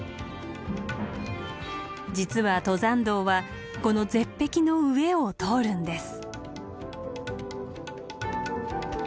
実は登山道はこの絶壁の上を通るんです。